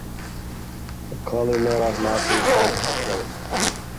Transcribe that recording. The columellar margin stands upright.